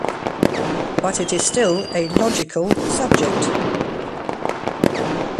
But it is still a "logical" subject.